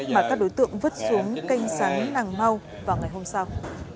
mà các đối tượng vứt xuống canh sáng nàng mau vào ngày hôm sau